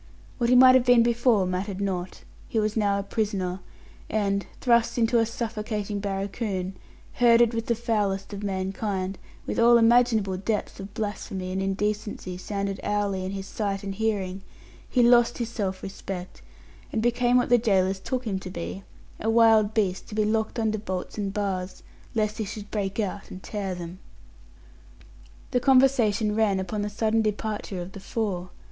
What he might have been before mattered not. He was now a prisoner, and thrust into a suffocating barracoon, herded with the foulest of mankind, with all imaginable depths of blasphemy and indecency sounded hourly in his sight and hearing he lost his self respect, and became what his gaolers took him to be a wild beast to be locked under bolts and bars, lest he should break out and tear them. The conversation ran upon the sudden departure of the four.